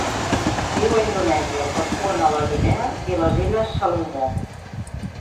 Viu a Indonèsia, Papua Nova Guinea i les Illes Salomó.